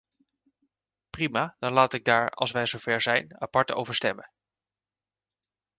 Prima, dan laat ik daar, als wij zover zijn, apart over stemmen.